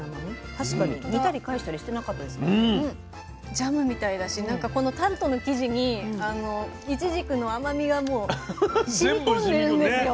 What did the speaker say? ジャムみたいだしこのタルトの生地にいちじくの甘みがもうしみこんでるんですよ。